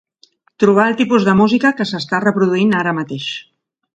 Trobar el tipus de música que s'està reproduint ara mateix.